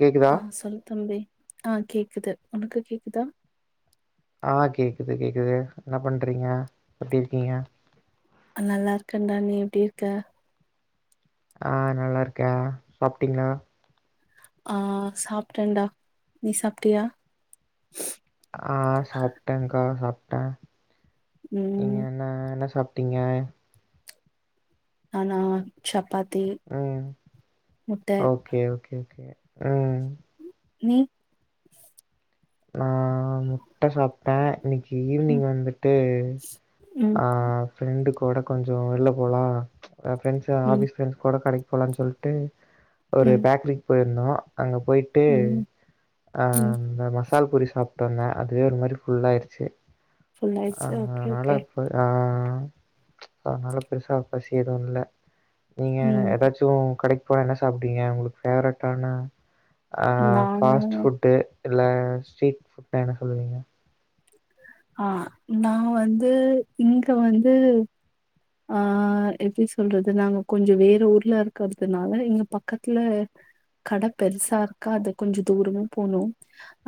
கேக்குதா அ சொல்லு தம்பி ஆ கேக்குது ஒனக்கு கேக்குதா ஆ கேக்குது கேக்குது என்ன பண்றீங்க எப்டி இருக்கீங்க நல்லா இருக்கன்டா நீ எப்டி இருக்க ஆ நல்லா இருக்கே சாப்ட்டீங்களா ஆ சாப்ட்டன்டா நீ சாப்ட்டியா ஆ சாப்ட்டங்க்கா சாப் ட்ட நீங்க ம் என்ன என்ன சாப் டிங்க நானா சப்பாத் உம் ஓகே ஓகே கே உம் நீ நா முட்ட சாப்ட்ட இன்னக்கி ம் ஈவ்னிங் வந்துட்டு ம் ஆ ஃப்ரெண்டுக் கூட கொஞ்சொ வெள்ல போலா அ ஃப்ரெண்ட்ஸ் ம் ஆஃபிஸ் ஃப்ரண்ட்ஸ் கூட கடைக் போலான் சொல்ட்டு ஒரு ம் பேக்கரிக் போய் [unintelligible] அங்க போயிட்டு ம் ஆ ம் [unintelligible] [unintelligible] பூரி சாப்ட்டோங்க அதுவே ஒரு மாரி ஃபுல்லாயிருச்சி ஃபுல் ஆயிடுச்சு ஓகே அத்னாலா ஓகே இப்ப ஆ அத்னால பெருசா பசி ஏது இல்ல நீங்க ம் ஏதாச்சு கடைக் இப்ப என்ன சாப்ட்டீங்க உங்களுக்கு ஃபேவரட்டான அ நானு ஃபாஸ்ட் புட்டு இல்ல ஸ்ட்ரீட் புட்னா என்ன சொல்லுவீங்க ஆஹ் நான் வந்து இங்க வந்து ஆஹ் எப்டி சொல்றது நாங்க கொஞ்சோ வேற ஊர்ல இருக்கிறதுனால இங்க பக்கத்துல கட பெருசா இருக்காது கொஞ்சோ தூரமு போனு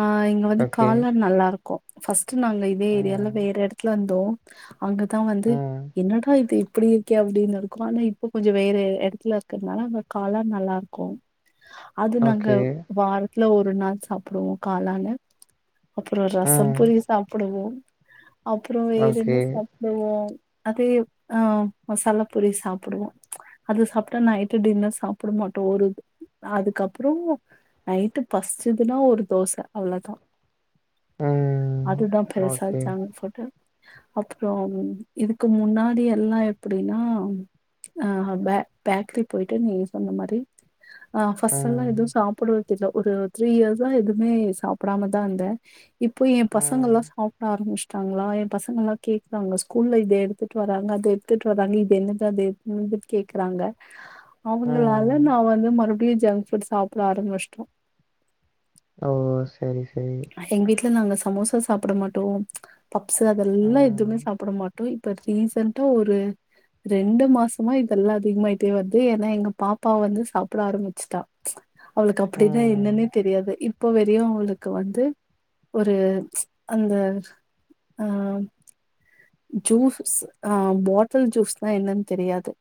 ஆஹ் இங்க வந்து ஓகே. காளான் நல்லா இருக் ஃபஸ் ட்டு நாங்க இதே ஏரியால ம். வேற இடத்துலந் [unintelligible] அங்கதான் வந்து ம். என்னட இப்டி இருக்கே அப்படின்னு இருக்கூ ஆனா இப்பம் கொஞ்சோ வேற இடத்துல இருக்கறதுனால அங்க காளான் நல்லாருக்கும் அது நாங்க ஓகே. வா [unintelligible] ல்ல ஒரு நாள் சாப்டுவோம் காளான அப்பறோ ரச ம். பொரி சாப்பிடுவோம் அப்பறோ வேற ஓகே. ன்ன சாப்பிடுவோ அது ஆஹ் மசாலா பூரி சாப்பிடுவோ அது சாப்பிட்டா நைட்டு டின்னர் சாப்பிட மாட்டோம் ஒரு அதுக்கப்பறோ நைட்டு பசிச்சுதுன்னா ஒரு தோச அவ்வளதான் ம். அதுதான் பெருசா ஓகே. ஜங்க்ஃபுட்டு அப்பறோ இதுக்கு முன்னா முன்னடியெல்லா எப்டின்னா அஹ் பே பேக்கிரி போயிட்டு நீங்சொன்ன மாரி ஆஹ் பஸ்சல்லாம் ம். எதுவும் சாப்பிடுற ல்ல ஒரு த்ரீ இயர்ஸ்ஸா எதுவுமே சாப்டாம தான் இருந்தே இப்போ என் ம். பசங்கல்லாம் சாப்ட ஆரம்பிச் [unintelligible] ங்களா என் பசங்கல்லாம் கேக்குறாங்க ஸ்கூல்ல இத எடுத்துட் வர்ராங்க அதை எடுத்துட்டு வர்ராங்க இது என்னது அது என்னதுன்னு கேக்குறாங்க. அவங்களால ம். நான் வந்து மறுபடியு ஜங்க்புட் சாப்ட ஆரம்பிச்டோ ஓ செரி செரி ல நாங்க சமோசா சாப்ட மாட்டோ பப்ஸு அதெல்லா ம். எதுமே சாப்ட மாட்டோ இப்ப ரீசன்டா ஒரு ரெண்டு மாசமா இதெல்லா அதிகமாயிட்டே வருது ஏன்னா எங்க பாப்பா வந்து சாப்ட ஆரமிச்சுட்டா அவளுக்கு அப்டின்னா ம். என்னன்னே தெரியாது இப் ப வறியு அவலுக் க்கு வந்து ஒரு அந்த ஆஹ் ஜூஸ் ஆஹ் போட்டில் ஜூஸ்னா என்னன் தெரியாது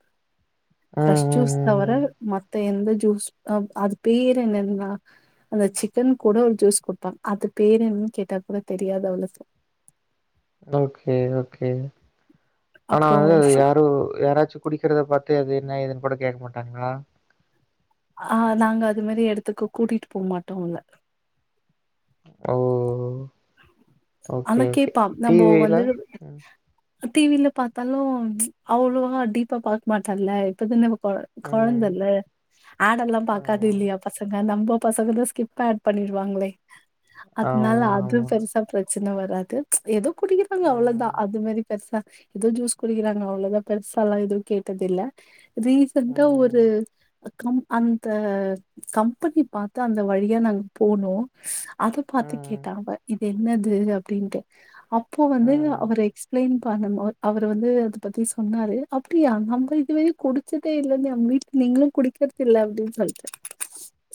பிரஷ் ம், ம், ஜுஸ் ம், தவர ம். மத் த எந்த ஜூஸ் அஹ் அது பேரு என்னன்ன அந்த சிக்கன் கூட ஒரு ஜூஸ் குடுப்பாங்க அது பேர் என்னன் கேட்டா கூட தெரியாது அவளுக்கு ஓகே ஓகே ஆனா அப்றோ வந்து சு யாரு யாராச்சு குடிக்கிறத பாத்து அது என்ன ஏதுன் கூட கேக்க மாட்டாங்ளா ஆ நாங்க அது மேரி எடத்துக்கு கூட்டிட்டு போமாட்டோ அவுல ஓ ஓகே, ஆனா ஓகே. கேப்பா நம்போ டிவில? வந்து ம், டி வி ல பாத்தாலு அவ்ளோவா டீப்பா பாக் மாட்டால்ல இப்பதான கொ ம். கொழந்தல்ல ஆடெல்லா பாக்காது ஆமா, இல்லியா பசங்க நம்ப பசங்கதா ஸ்கிப் ஏட் பண்ணிடுவாங்களே ஆமாமா பிரச்சன வராது எதோ குடிக்கிறாங்க அவ்ளோதா ம், அது மாரி பெருசா எது ஜூஸ் குடிக்கிறாங்க அவ்ளோதா பெருசாலா எதுவு கேட்டதில்ல ரீசன்டா ஒரு ம், கம் அந்த கம்பனி பாத்தா அந்த வழியா நாங்க போனோ அது பாத்து ம், கேட்டா அவ என்னது அப்டின்ட்டு அப் போ வந்து ம். அவர் எக்ஸ்பிளைன் பண்ணுபோ அவரு வந்து அத பத்தி சொன்னாரு அப்படியா நம்ம இதுவர குடிச்சதே இல்ல நம் வீட்ல நீங்களு குடிக்கறது இல்ல அப்படின் சொல்ட்டே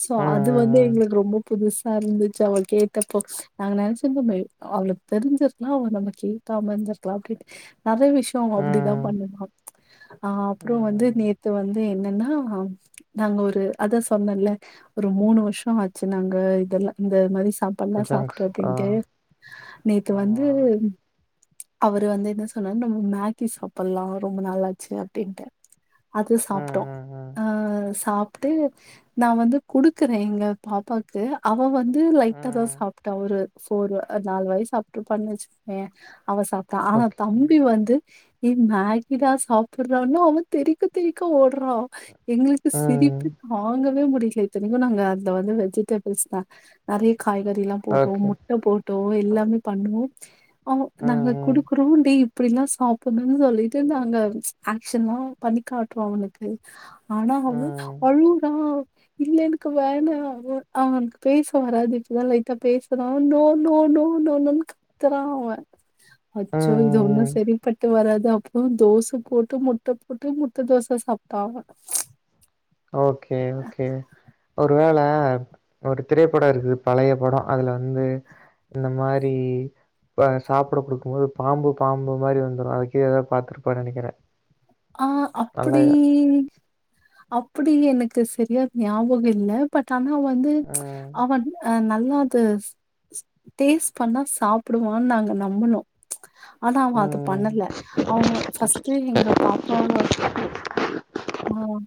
சோ ம், அது வந்து ம், ம். எங்களுக்கு ரொம்ப புதுஸ் சா அருந்துச்சு அவ கேட்டப்போ நாங்க நெனச்சுட்ருதே அவுளுக் தெரிஞ்சிருந்தா அவ நம்ம கேக்காம இருந்துருக்லா அப்படின்ட் நெறைய விஷயோ அவ அப்படிதா ம், பண்ணுவா அஹ் அப்புறோ வந்து ம். நேத்து வந்து என்னன்னா நாங்க ஒரு அதா சொன்னல ஒரு மூணு வருஷோ ஆச்சு நாங்க இதெல்லா இந்த மாரி சாப்பாட்ல்லா சாப் ஜங்க்ஸ். ஆ, [unintelligible] நேத்து ஆமா. வந்து அவரு வந்து என்ன சொன்னார் நம்ம மேக்கி சாப்பட்லா ரொம்ப நாளாச்சு அப்படின்ட்டு அது ம், சாப்ட்டோ ம், ம். அஹ் சா ப்புட்டு நா வந்து குடுக்குறே எங்க பாப்பாக்கு அவ வந் து லைட்டா தா ம். சாப்ட் ட்டு சோறு அது நாலு வாய் சாப்ட்டுருப்பானு வெச்சுக்கவே அவ சாப்ட்டா ஆனா ஓகே. தம்பி வந்து ஏ மேகிதா சாப்ட்றானு அவ தெறிக்க தெறிக்க ஓடுறா எங்களுக்கு ம். சிரிப்பு தாங்க வே முடியல இத்தனைக்கு நாங்க அதுல வந்து வெஜிடேபிள்ஸ் தா நெறய காய்கறி போட்டோ ஓகே. முட்ட போட் டோ எல்லாமே பண்ணோ அவனுக்கு ம், நாங்க ம். கொடுக்குறோ டெய் அப்டிலா சாப்டணும்ன்னு சொல்லிட்டு நாங்க ஆக்ஷ்ன்லா பண்ணி காட்ரோ அவனுக்கு ஆனா அவ ம். அழுதா இல்ல எனக்கு வேண அவு அவனுக்கு பேச வராது இப்பத லைட் டா பேசற நோ நோ நோ நோ நோன்னு கத்தற அவ ம், அச்சோ இது ஒன்னு ம், ம். சரி பட்டு வராது அது அப்றோ தோச போட்டு முட்ட போட்டு முட்ட தோச சாப்பிட்ட அவன் ச்சு ஓகே ஓகே ஒரு வேள ஆஹ் ஒரு திரைப்படோ இருக்குது பழைய படோ அதுல வந்து இந்த மாரி இப் சாப்ட கொடுக்கு போது பாம்பு பாம்பு மாரி வந்துரு அதுக்கீத ஏதாவது பா்த்திருப்பானு நெனக்கிறே ஆஹ் அப்படி அப்டி எனக்கு சரியா ஞாபகோ இல்ல பட் ஆனா வந்து ம் அவன் ஹ நல் னது ஸ் ஸ் டேஸ்ட் பண்ணா சாப்டுவான்னு நாங்க நம்புனோ ஆனா அவ அத ம் பண்ணல அவங்க ஃபஸ்ட்டே எங்க பா ஆஹ்ஹ ஆஹ்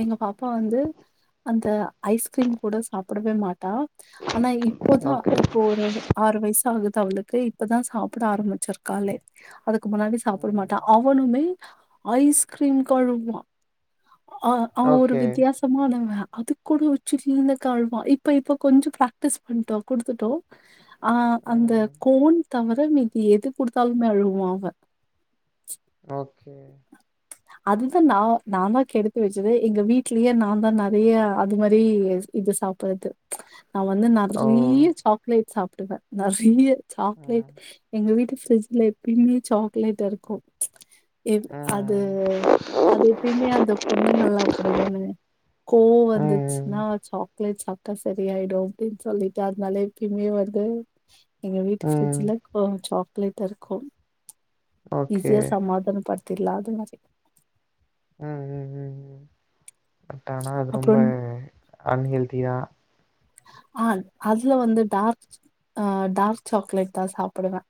எங்க பாப்பா வந்து அந்த ஐஸ்கிரீம் கூட சாப்டவே மாட்டா ஆனா இப்போதா ஓகே இப்போ ஒரு ஆறு வயசாகுது அவளுக்கு இப்பதா சாப்ட ஆரம்பிச்சிருக்காலே அதுக்கு முன்னாடி சாப்ட ம் மாட்டா அவனுமே ஐஸ்கிரீம்க்கழுவா ஆஹ் அவ ஒரு ஓகே வித்தியாசமானவ அது கூட உச்சி கிளீனுக்கழ்வா இப்ப இப்ப கொஞ்சோ பிராக்டிஸ் பண்ட்டோ குடுத்துட்டோ ஆஹ் அந்த ம் கோன் தவர மிதி எது குடுத்தாலுமே அழுவா அவ ஓகே அதுதா நா நானா கெடுத் து வச்சது எங்க வீட்லயே நா தா நறைய அது மாரியே இது இது சாப்புறது நா வந்து ஓ நறீய சாக்லேட் சாப்டுவ நறீய ம் சாக்லேட் எங்க வீட்டு ஃபிரிஜ்ல எப்பயுமே சாக்லேட் இருக்கு எது அது ம் அது எப்பயுமே அந்த பொண்ணுங்கல்லா அப்டிதான கோவ ம் வந்துச்சுனா சாக்லேட் சாப்ட்டா சரியாய்டு அப்டினு சொல்லிட்டு அதனால எப்பியுமே வந்து எங்க வீட்டு ம் ஃபிரிட்ஜுல கோ சாக் பேப்பர் இருக்கு ஓகே ஈசியா சமாதான படுத் திர்லா அது மாரி ம் ம் ம் பட் ஆனா அது ரொம்ப அப்புறம் அன்ஹெல்தி தா ஆன் அதுல வந்து டார்க் ஆ டார்க் சாக்லேட் தா சாப்டுவே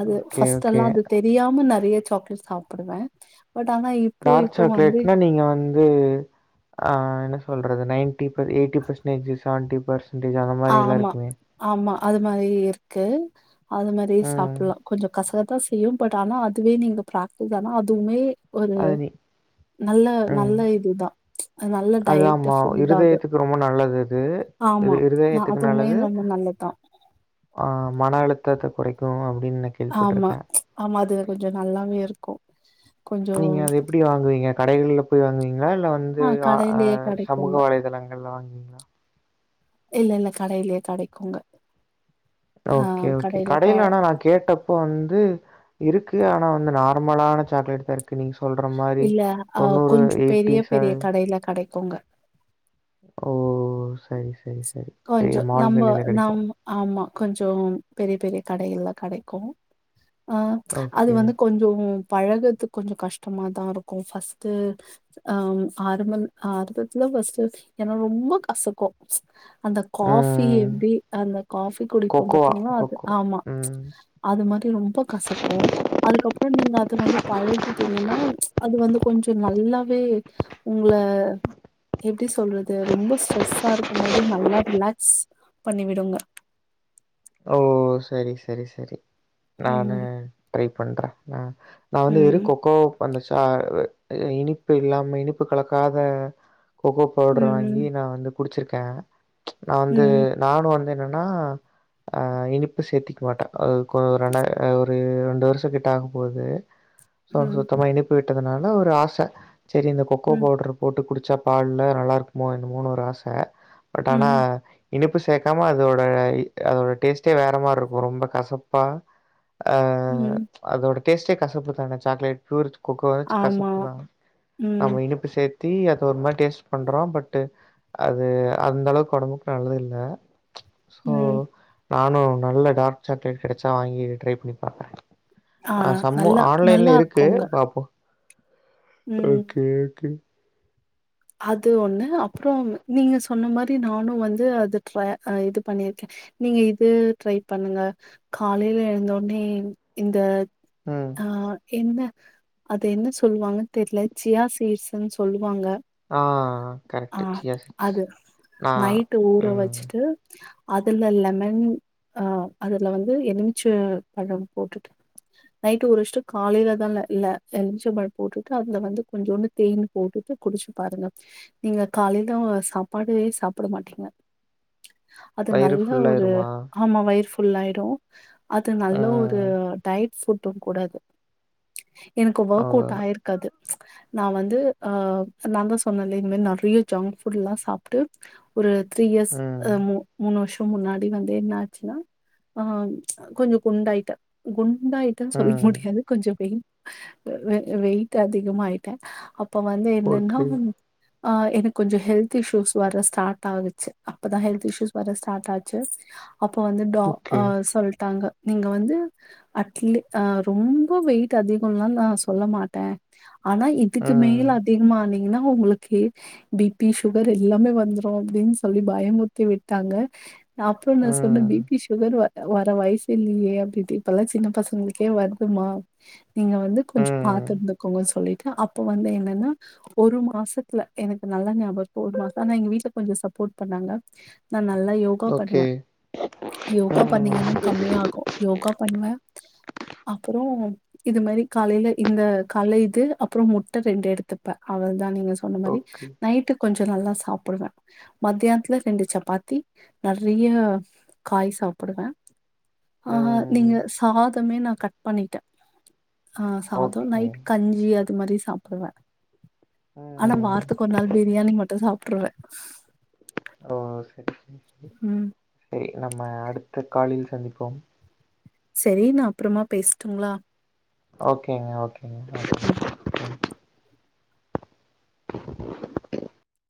அது ஓகே ஃபஸ்டெல்லா ஓகே. அது தெரியாம நெறைய சாக்லேட் சாப்புடுவே டார்க் சாக்லேட்னா நீங்க வந்து ஆ என்ன சொல்றது நைன் [unintelligible] எய்ட்டி பெர்ஸ்னேஜஸ் செவன்ட்டி பர்ஸ் முந்திரிலா அத மாரிலா ஆமா இருக்குமே ஆமா அது மாரி இருக்கு அது மாரி ம். சாப்புலா கொஞ்ச கசப் பா சேம் பட் ஆனா அதுவே நீங்க ப்ராக்டிஸ் ஆனா அதுவுமே ஒரு அது நி நல்ல அ நல்ல இதுதா நல்ல அது டயட் ஆமா ஃபுட் தா அது இருதயத்துக்கு ரொம்ப நல்லது அது ஆமா இருதய நா த்துக்கு அதுவுமே நல்லது ரொம்ப நல்லதுதா ஆ மன அழு தத்த குறைக்கு ஆமா ஆமா அது கொஞ்சோ நல்லாவே இருக்கு கொஞ்சோ நீங்க அத எப்டி வாங்குவீங்க கடைகள்ல போய் வாங்குவீங்ளா இல்ல வந்து ஆ அ ஆ கடையிலயே சமூக கெடைக்குங்க வலைதளங்கள்ல வாங்குவீங்ளா இல்லல்ல கடைலயே கெடைக்குங்க ஆ ஓகே ஓகே கடையில க கடைலனா நா கேட்டப்போ வந் து இருக்கு ஆனா வந்து நார்மலான சாக்லேட்தா இருக் இல்ல அ கொஞ்சோ பெரிய ச பெரிய கடைல கெடைக்குங்க ஓ சரி, சரி, சரி. பெரிய கொஞ்சோ நம்ம மால்களில நம் கிடைக்கும். ஆமா கொஞ்சோ பெரிய பெரிய கடையில்ல கெடைக்கு ஆ அது ஓகே. வந்து கொஞ்சோ பழகத்துக் கொஞ்சொ கஷ்டமா தா இருக்கு ஃபஸ்ட்டு அம் ஆரம்பம் ஆரம்பத்துல ஃபஸ்ட்டு ஏன்னா ரொம்ப கசக்கு அந்த காஃபி ம். எப்டி அந்த காஃபி குடிப்போம் கொக்கோவா, பாத்திங்களா அது கொக்கோ. ஆமா ம். அது மாரி ரொம்ப கசக்கு அதுக்கப்றோ நீங்க அது வந்து பழகிட்டீங்கன்னா அது வந்து கொஞ்சோ நல்லாவே உங்கள எப்டி சொல்றது ரொம்ப ஸ்ரெஸ்ஸாருக் கும் போது நல்லா ரிலக்ஸ் பண்ணி விடுங்க ஓ சரி சரி சரி நானு ம் ட்ரை பண்ற ந நா வந்து வெரு ம் கொக்கோ பண்ண ச ஆ இனிப்பு இல்லாம இனிப்பு கலக்காத கோக்கோ பவுடர‌ வாங்கி ம் நா வந்து குடிச்சிருக்க நா வந்து ம் நானு வந்து என்னனா ஆ இனிப்பு சேத்திக் மாட்ட அ கோ ரண ஓ ஒரு ரெண்டு வருஷ கிட்ட ஆக போது சோ ம் சுத்தமா இனிப்பு விட்ட அதனால ஒரு ஆச செரி இந்த கொக்கோ ம் பவுட்ரு போட்டு குடிச் சா பால்ல நல்லாருக்குமோ என்னமோனு ஒரு ஆச பட் ஆனா ம் இனிப்பு சேக்காம அதோட இ அதோட டேஸ்ட்டே வேற மார்ருக்கு ரொம்ப கசப்பா ஆ ம் அதோட டேஸ்ட்டே கசப்புதான சாக்லேட் ப்யூர் கோக்கோவாச்சு ஆமா கசப்புதா ம் நம்ம இனிப்பு சேத் தி அதொருமாரி டேஸ்ட் பண்றோ பட் அது அந்தளவுக்கு ஒடம்புக்கு நல்லதில்ல சோ ம் நானு நல்ல டார்க் சாக்லேட் கெடச்சா வாங்கி ட்ரை பண்ணி பாக்குற ஆ சம்மோ நல்லா நல்லா ஆன்லைன்ல இருக்கு இருக்குங்க பாப்போ ம் ஓகே ஓகே அது ஒண்ணு அப்றோ நீங்க சொன்ன மாரி நானு வந்து அது ட்ர இது பண்ணிருக்கே நீங்க இது ட்ரை பண்ணுங்க காலைல எழுந்தோன்னே இந்த ம் ஆ என்ன அது என்ன சொல்லுவாங்கன் தெர்ல சியா சீட்ஸ்ன் சொல்லுவாங்க ஆ ஆ கரெக்ட்டு சியா சீட்ஸ் அது நா நைட்டு ஊற ம் வச்சுட்டு, அதுல லெமன் ஆ அதுல வந்து எலுமிச்ச பழம் போட்டுட்டு நைட்டு ஊரவச்சிட்டு காலைல தான்ல இல்ல எலுமிச்ச பழம் போட்டுட்டு அதுல வந்து கொஞ்சோண்டு தேன் போட்டுட்டு குடிச்சு பாருங்க நீங்க காலைல்ல சாப்பாடே சாப்ட மாட்டிரிங்க அது வயிறு நல்ல ஒரு ஃபுல்லாயிருமா ஆமா வயிற் ஃபுல்லாயிடும் அது நல்ல ஒரு ம் டயட் ஃபுட்டும் கூடாது எனக்கு ஆ ஒர்க் அவுட் ஆயிர்க்கு அது நா வந்து ஆ நான் தான் சொன்னல்ல இது மாரி நறிய ஜங்க் ஃபுட்ல்லாம் சாப்ட்டு ஒரு த்ரீ இயர்ஸ் ம் அ மூ மூணு வர்ஷ் முன்னாடி வந்து என்ன ஆச்சுன்னா ஆ கொஞ்சம் குண்டாயிட்ட குண்டாயிட்ட சொல்ல ம் முடியாது கொஞ்சம் பெயிட் அ வெயிட் அதிகமா ஆஈயிட்ட அப்ப வந் என்னன்னா ஓகே ஒன்னு ஆ எனக்கு கொஞ்சம் ஹெல்த் இ்ஷ்யூஸ் வர ஸ்டார்ட் ஆகுச்சு அப்பதான் ஹெல்த் இஷ்யூஸ் வர்ற ஸ்டார்ட் ஆச்சு அப்போ வந்து டா ஆ ஓகே சொல்ட்டாங்க நீங்க வந்து அட்லி அ ரொம்ப வெயிட் அதிகம்லா நான் சொல்ல மாட்ட ஆனா இதுக்கு ம் மேல அத் பண்ணிங்கன்னா உங்களுக்கு பி பி சுகர் எல்லாமே வந்துரும் அப்புடின் சொல்லி பயமுற்த்தி விட்டாங்க நா அப்புறோ ந சொன்ன பி ம் பி சுகர் வ அ வர வயசு இல்லியே அப்டி இப்டி இப்பல்லா சின்ன பசங்களுக்கே வருதுமா நீங்க வந்து கொஞ்சோ ம் பாத்து இருந்துக்கோங்க சொல்லிட் ட்டு அப்போ வந்து என்னன்னா ஒரு மாசத்துல எனக்கு நல்லா ஞாபோ இருக்கு ஒரு மாசோ ஆனா எங்க வீட்ல கொஞ்சோ சப்போர்ட் பண்ணாங்க நான் நா நல்லா யோகா ஓகே பண்ணுவ யோகா பண்ணீங்கன்னா ம் கம்மியாகும் யோகா பண்ணுவ அப்புறோம் இது மாரி காலையில இந்த கால்ல இது அப்புறம் முட்ட ரெண்டு எடுத் துப்ப அவள் தா நீங்க சொன்ன மாரி ஓகே நைட்டு கொஞ்சோ ட்டு நல்லா சாப்புடுவ மத்தியான்த்துல ரெண்டு சப்பாத்தி நறைய காய் சாப்புடுவ ஆஹா நீங்க ம் சாத் தமே நா கட் பண்ணிட்ட ஆ சாதோ ஓகே நைட் கஞ்சி அத் த்து மாரி சாப்புடுவ ஆனா ம் வாரத்துக்கு ஒரு நாள் பிரியாணி மட்டும் சாப்ட்டுருவ ஓ சரி உம் சரி நம்ம அடுத்த காலில் சந்திப்போம் சரி நா அப்புறமா பேசட்டுங்ளா ஓகேங்க ஓகே ஓகேங்க